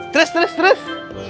terus terus terus